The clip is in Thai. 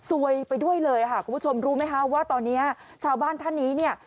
ซวยไปด้วยเลยคุณผู้ชมรู้ไหมว่าตอนนี้ชาวบ้านท่านนี้